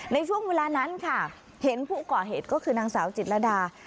ในช่วงเวลานั้นค่ะเห็นผู้ก่อเหตุก็คือนางสาวจิตรดา